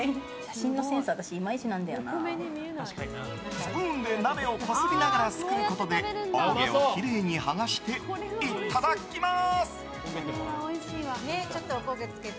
スプーンで鍋をこすりながらすくうことでおこげをきれいに剥がしていただきます！